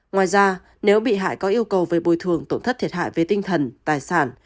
ngoài ra nếu bị hại có yêu cầu về bồi thường tổn thất thiệt hại về tinh thần tài sản